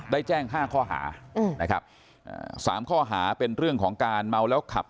ได้แจ้ง๕ข้อหานะครับสามข้อหาเป็นเรื่องของการเมาแล้วขับ